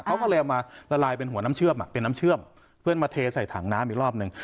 เขาก็เลยเอามาละลายเป็นน้ำเชื่อมเพื่อนมาเทใส่ถังน้ำอีกรอบนึง